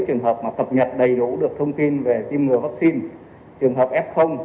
rồi xét nghiệm vaccine